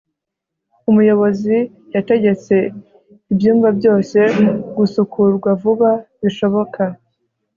umuyobozi yategetse ibyumba byose gusukurwa vuba bishoboka